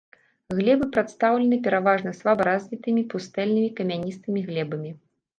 Глебы прадстаўлены, пераважна, слабаразвітымі пустэльнымі камяністымі глебамі.